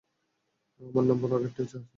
আমার নাম্বার আগেরটাই আছে।